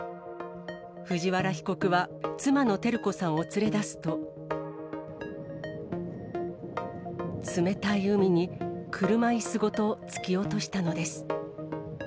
藤原被告は妻の照子さんを連れ出すと、冷たい海に車いすごと突き落としたのです。